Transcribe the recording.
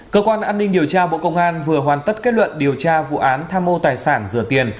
cơ quan an ninh điều tra bộ công an vừa hoàn tất kết luận điều tra vụ án tham mô tài sản rửa tiền